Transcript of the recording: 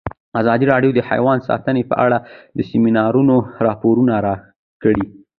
ازادي راډیو د حیوان ساتنه په اړه د سیمینارونو راپورونه ورکړي.